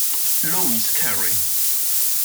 Louis Carey